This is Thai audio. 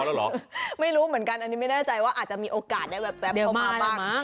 แล้วเหรอไม่รู้เหมือนกันอันนี้ไม่แน่ใจว่าอาจจะมีโอกาสได้แบบแป๊บเข้ามาบ้าง